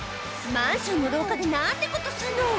マンションの廊下で何てことすんの！